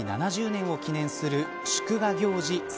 ７０年を記念する祝賀行事